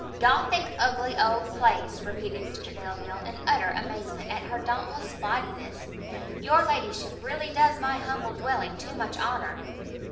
"Gothic ugly old place!" repeated Mr Delvile, in utter amazement at her dauntless flightiness; "your ladyship really does my humble dwelling too much honour!"